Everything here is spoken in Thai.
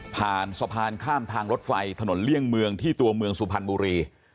สะพานข้ามทางรถไฟถนนเลี่ยงเมืองที่ตัวเมืองสุพรรณบุรี